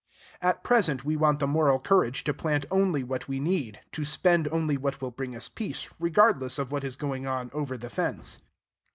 At present we want the moral courage to plant only what we need; to spend only what will bring us peace, regardless of what is going on over the fence.